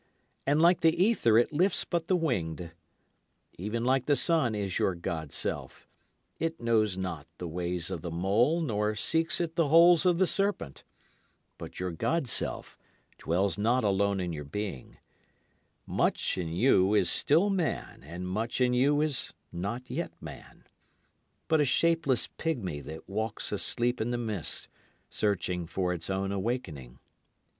And like the ether it lifts but the winged. Even like the sun is your god self; It knows not the ways of the mole nor seeks it the holes of the serpent. But your god self dwells not alone in your being. Much in you is still man, and much in you is not yet man, But a shapeless pigmy that walks asleep in the mist searching for its own awakening.